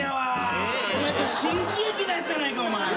お前それ新喜劇のやつやないか。